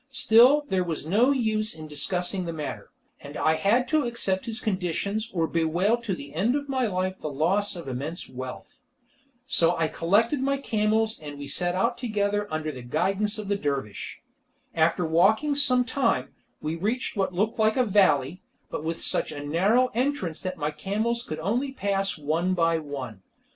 Still there was no use in discussing the matter, and I had to accept his conditions or bewail to the end of my life the loss of immense wealth. So I collected my camels and we set out together under the guidance of the dervish. After walking some time, we reached what looked like a valley, but with such a narrow entrance that my camels could only pass one by one.